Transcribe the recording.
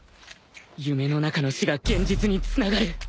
夢の中の死が現実につながる